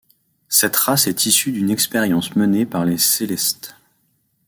Cette race est issue d'une expérience menée par les Célestes.